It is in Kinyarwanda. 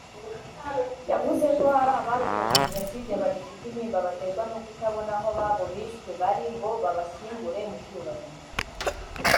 yavuze ko hari abarokotse Jenoside bagifite intimba baterwa no kutabona aho ababo bishwe bari ngo babashyingure mu cyubahiro